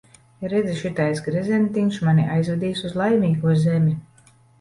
Redzi, šitais gredzentiņš mani aizvedīs uz Laimīgo zemi.